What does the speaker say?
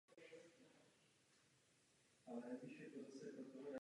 Seriál se vysílá celosvětově na dětské stanici Nickelodeon.